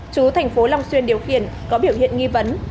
chú thành phố long xuyên điều khiển có biểu hiện nghi vấn